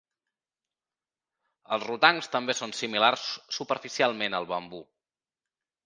Els rotangs també són similars superficialment al bambú.